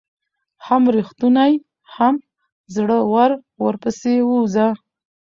هم ريښتونى هم زړه ور ورپسي ووزه